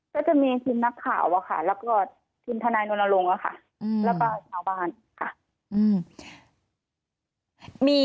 ก็จะมีทีมนักข่าวแล้วก็ทีมทนายนวลลงแล้วก็ชาวบ้านค่ะ